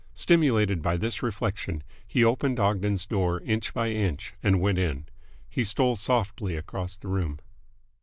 Stimulated by this reflection, he opened Ogden's door inch by inch and went in. He stole softly across the room.